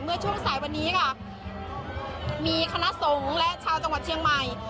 เมื่อช่วงสายวันนี้ค่ะมีคณะสงฆ์และชาวจังหวัดเชียงใหม่